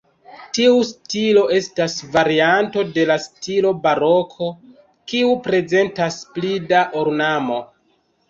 Tiu stilo estas varianto de la stilo baroko, kiu prezentas pli da ornamo.